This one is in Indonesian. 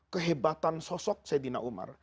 kehebatan sosok saidina umar